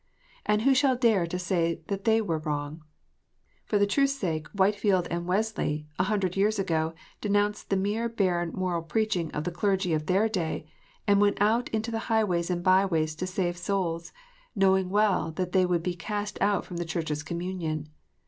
And who shall dare to say that they were wrong 1 For the truth s sake, Whitefield and Wesley, a hundred years ago, denounced the mere barren moral preaching of the clergy of their day, and went out into the highways and byways to save souls, knowing well that they would be cast out from the Church s communion.